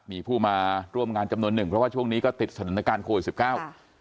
มีผู้มาร่วมงานจำนวนหนึ่งเพราะว่าช่วงนี้ก็ติดสถานการณ์โควิดสิบเก้า